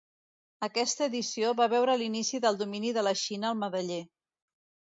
Aquesta edició va veure l'inici del domini de la Xina al medaller.